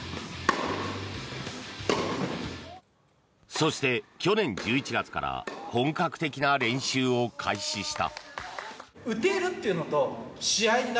そして、去年１１月から本格的な練習を開始した。